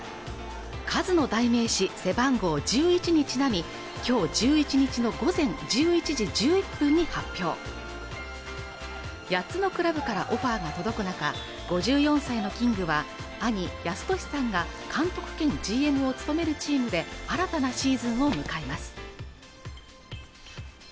カズの代名詞背番号１１にちなみきょう１１日の午前１１時１１分に発表８つのクラブからオファーが届く中５４歳のキングは兄の泰年さんが監督兼ＧＭを務めるチームで新たなシーズンを迎えます